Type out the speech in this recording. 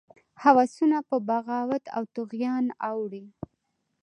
هوسونه په بغاوت او طغیان اوړي.